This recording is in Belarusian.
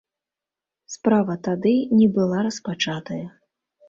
Справа тады не была распачатая.